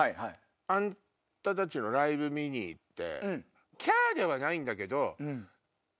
あんたたちのライブ見に行って。